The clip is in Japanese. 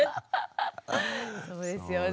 そうですよね。